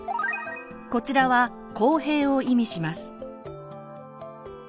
こちらは「公平」を意味します。